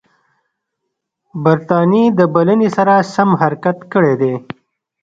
برټانیې د بلنې سره سم حرکت کړی دی.